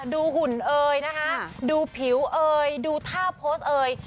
หุ่นเอ่ยนะคะดูผิวเอยดูท่าโพสต์เอ่ย